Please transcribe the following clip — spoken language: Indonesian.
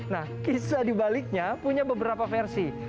nah kisah dibaliknya punya beberapa versi